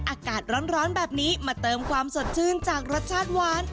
อากาศร้อนแบบนี้มาเติมความสดชื่นจากรสชาติหวาน